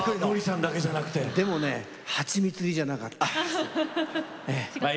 でもね、蜂蜜入りじゃなかった。